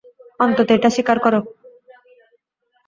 অন্তত এটা স্বীকার করো।